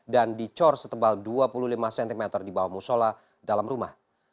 dan dicor setebal dua puluh lima cm di bawah musola dalam rumah